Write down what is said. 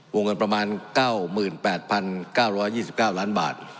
วงเงินประมาณ๙๘๙๒๙ล้านบาท